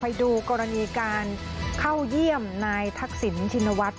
ไปดูกรณีการเข้าเยี่ยมนายทักษิณชินวัฒน์